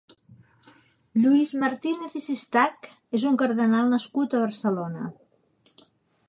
Lluís Martínez i Sistach és un cardenal nascut a Barcelona.